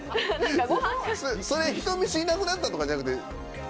それ人見知りなくなったとかじゃなくて。